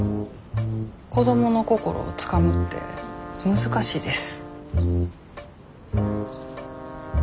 子どもの心をつかむって難しいです。